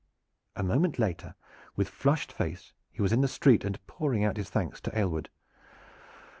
A moment later with flushed face he was in the street and pouring out his thanks to Aylward.